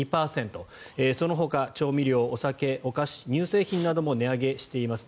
そのほか調味料、お酒お菓子、乳製品なども値上げしています。